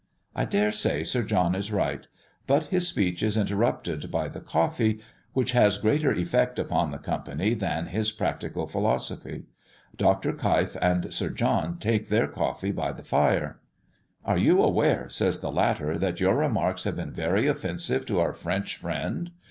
I dare say Sir John is right; but his speech is interrupted by the coffee, which has greater effect upon the company than his practical philosophy. Dr. Keif and Sir John take their coffee by the fire. "Are you aware," says the latter, "that your remarks have been very offensive to our French friend?